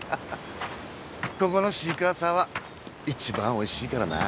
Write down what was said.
ここのシークワーサーは一番おいしいからな。